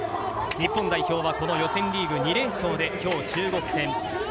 日本代表は予選リーグ２連勝できょうの中国戦。